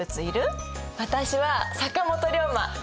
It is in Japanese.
私は坂本龍馬。